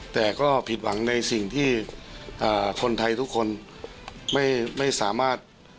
แต่ก็ผิดหวังในสิ่งที่คนไทยทุกคนไม่สามารถ